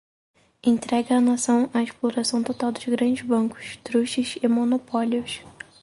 entrega a Nação à exploração total dos grandes bancos, trustes e monopólios